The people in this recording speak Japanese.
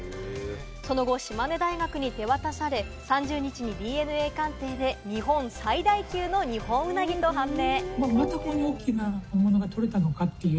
その後、島根大学に手渡され、３０日にＤＮＡ鑑定で日本最大級のニホンウナギだと判明。